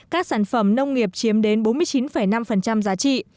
các sản phẩm nông nghiệp chiếm đến bốn mươi chín năm giá trị